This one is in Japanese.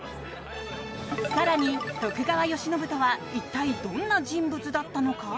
更に、徳川慶喜とは一体どんな人物だったのか。